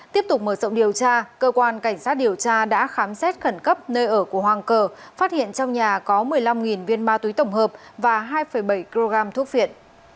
tiếp tục mở rộng điều tra cơ quan cảnh sát điều tra đã khám xét khẩn cấp nơi ở của hoàng cờ phát hiện trong nhà có một mươi năm viên ma túy tổng hợp và hai bảy kg thuốc viện